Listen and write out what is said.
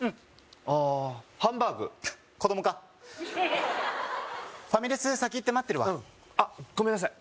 あハンバーグ子供かファミレス先行って待ってるわうんあっごめんなさい